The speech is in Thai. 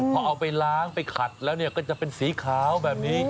พอเอาไปล้างไปขัดแล้วก็จะเป็นสีขาวแบบนี้